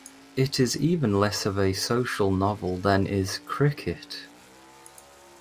It is even less of a social novel than is "Cricket".